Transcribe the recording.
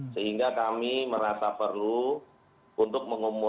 sehingga kami merasa perlu untuk mengumumkan